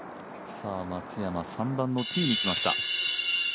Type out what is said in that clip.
松山、３番のティーに来ました。